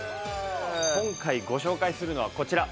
今回ご紹介するのはこちら。